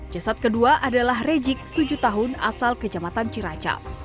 jasad kedua adalah rejik tujuh tahun asal kejamatan ciracal